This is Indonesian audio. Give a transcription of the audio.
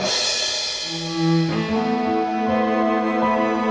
gue juga masih berharap